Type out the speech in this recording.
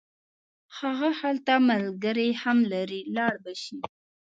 هغه هلته ملګري هم لري لاړ به شي.